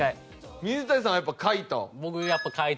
水谷さんはやっぱ『カイト』。